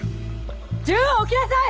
銃を置きなさい！